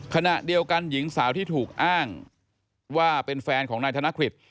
ขณะเดียวกันหญิงสาวที่ถูกอ้างว่าเป็นแฟนของนายธนกฤษ